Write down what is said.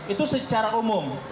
itu secara umum